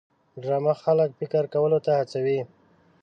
ډرامه خلک فکر کولو ته هڅوي